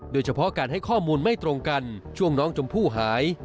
โดยเฉพาะการให้ข้อมูลไม่ตรงกันช่วงน้องชมพู่หาย